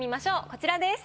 こちらです。